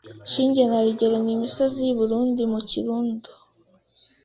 Shinge na Rugero ni misozi y’iburundi mu Kirundo.